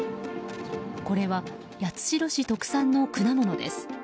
これは八代市特産の果物です。